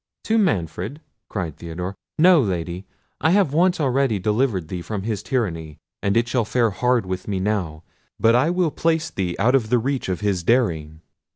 "To Manfred!" cried Theodore—"no, Lady; I have once already delivered thee from his tyranny, and it shall fare hard with me now, but I will place thee out of the reach of his daring."